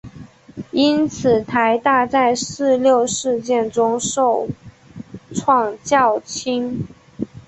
因此台大在四六事件中受创较轻。